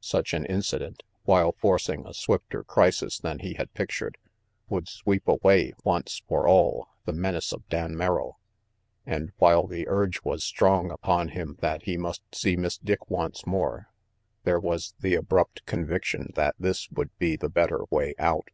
Such an incident, while forcing a swifter crisis than he had pictured, would sweep away once for all the menace of Dan Merrill; and while the urge was strong upon him that he must see Miss Dick once more, there was the abrupt conviction that this would be the better way out.